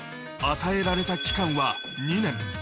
与えられた期間は２年。